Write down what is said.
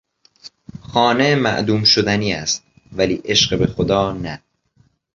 خانه معدوم شدنی است ولی عشق به خدا نه.